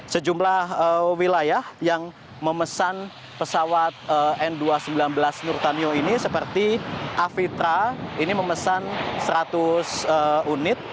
sejumlah wilayah yang memesan pesawat n dua ratus sembilan belas nurtanio ini seperti afitra ini memesan seratus unit